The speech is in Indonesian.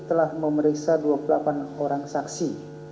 telah memeriksa dua puluh delapan orang saksi